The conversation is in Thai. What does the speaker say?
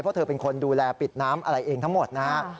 เพราะเธอเป็นคนดูแลปิดน้ำอะไรเองทั้งหมดนะฮะ